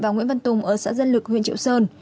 và nguyễn văn tùng ở xã dân lực huyện triệu sơn